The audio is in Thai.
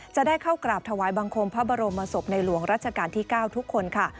จะได้เข้ากราบถวายบังคมพระบรมศพในหลวงรัชกาลที่๙ทุกคนค่ะ